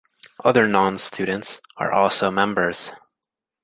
Other non students are also members.